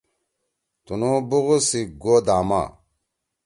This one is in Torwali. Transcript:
تُنُو بغض سی گو داما